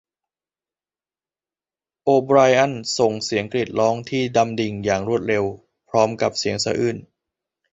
โอไบรอันส่งเสียงกรีดร้องที่ดำดิ่งอย่างรวดเร็วพร้อมกับเสียงสะอื้น